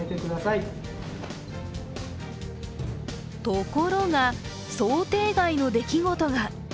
ところが、想定外の出来事が。